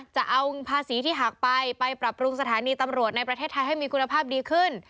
จะเอาภาษีที่หักไปไปปรับปรุงสถานีตำรวจในประเทศไทยให้มีคุณภาพดีขึ้น